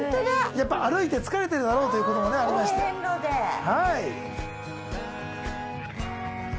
やっぱり歩いて疲れているだろうということもありましてお遍路ではい